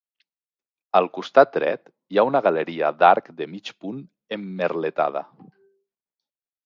Al costat dret hi ha una galeria d'arc de mig punt emmerletada.